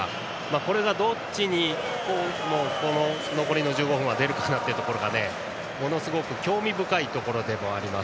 これがどっちに残りの１５分は出るかなというところがすごく興味深いです。